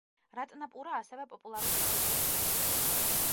რატნაპურა, ასევე, პოპულარული ტურისტული პუნქტია.